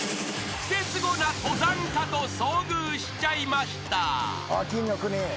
［クセスゴな登山家と遭遇しちゃいました］